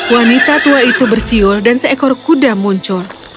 wanita tua itu bersiul dan seekor kuda muncul